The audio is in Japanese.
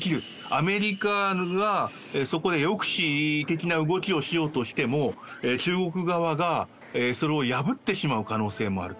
アメリカがそこへ抑止的な動きをしようとしても、中国側がそれを破ってしまう可能性もある。